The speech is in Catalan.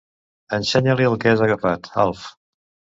Ensenya-li el que has agafat, Alf.